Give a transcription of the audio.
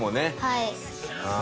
はい。